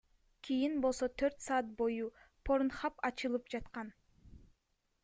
Кийин болсо төрт саат бою Порнхаб ачылып жаткан.